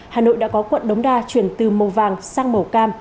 hà nội đã có quận đống đa chuyển từ màu vàng sang màu cam